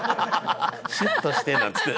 「シュッとしてなんつって」